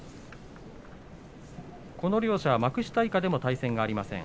この両者、幕下以下では対戦がありません。